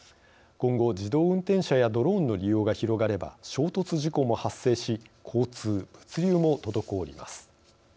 今後自動運転車やドローンの利用が広がれば衝突事故も発生し交通・物流も滞ります。